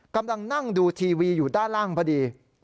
กำลังนั่งดูทีวีอยู่ด้านล่างพอดี